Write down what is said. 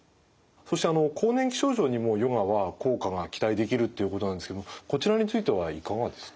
そして更年期症状にもヨガは効果が期待できるっていうことなんですけどもこちらについてはいかがですか。